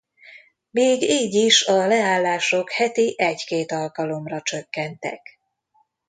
Még így is a leállások heti egy-két alkalomra csökkentek.